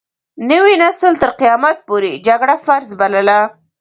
نوي نسل تر قيامت پورې جګړه فرض بلله.